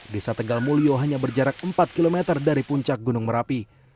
desa tegal mulyo hanya berjarak empat km dari puncak gunung merapi